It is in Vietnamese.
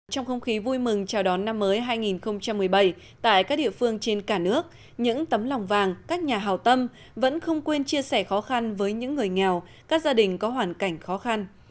trong không khí vui mừng chào đón năm mới hai nghìn một mươi bảy tại các địa phương trên cả nước những tấm lòng vàng các nhà hào tâm vẫn không quên chia sẻ khó khăn với những người nghèo các gia đình có hoàn cảnh khó khăn